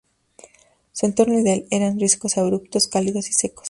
Su entorno ideal eran riscos abruptos, cálidos y secos.